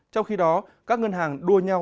trong khi đó các ngân hàng đua nhau